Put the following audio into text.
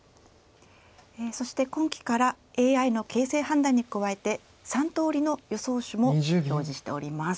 そして今期からＡＩの形勢判断に加えて３通りの予想手も表示しております。